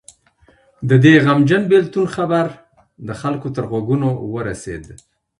د دې غمجن بېلتون خبر د خلکو تر غوږونو ورسېد.